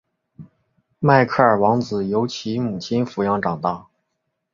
迈克尔王子由其母亲抚养长大。